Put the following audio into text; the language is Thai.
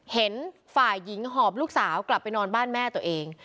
เห็นฝ่ายหญิงหอบลูกสาวกลับไปนอนบ้านแม่ตัวเอง